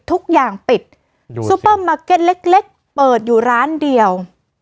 ทุกอย่างปิดซูเปอร์มาร์เก็ตเล็กเปิดอยู่ร้านเดียว